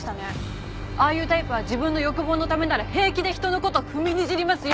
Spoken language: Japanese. ああいうタイプは自分の欲望のためなら平気で人の事踏みにじりますよ！